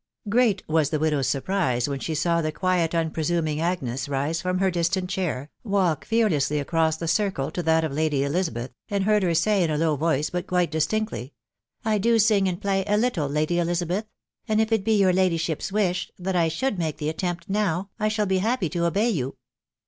Great was the widow's surprise when she saw the quiet un presuming Agnes rise from her distant chair, walk fearlessly across the circle to that of Lady Elizabeth, and heard her say in a low voice, but quite distinctly, — j <* I do sing and play a little, Lady Elizabeth j and if it be your ladyship's wish that I should make the attempt now, I shall be happy to obey you."